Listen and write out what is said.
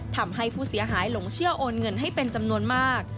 ทำให้ผู้เสียหายหลงเชื่อโอนเงินให้เป็นจำนวนมาก